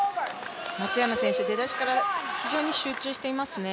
松山選手、出だしから非常に集中していますね。